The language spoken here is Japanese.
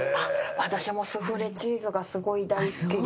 私もスフレチーズがすごい大好きで。